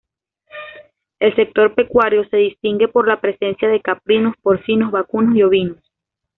El sector pecuario se distingue por la presencia de caprinos, porcinos, vacunos y ovinos.